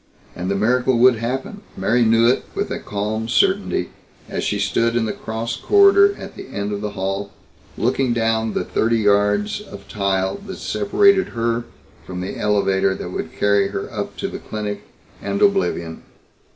And the miracle would happen, Mary knew it with a calm certainty as she stood in the cross corridor at the end of the hall, looking down the thirty yards of tile that separated her from the elevator that would carry her up to the clinic and oblivion.